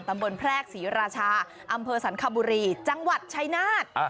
แพรกศรีราชาอำเภอสันคบุรีจังหวัดชายนาฏ